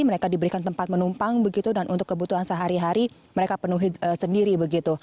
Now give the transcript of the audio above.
mereka diberikan tempat menumpang begitu dan untuk kebutuhan sehari hari mereka penuhi sendiri begitu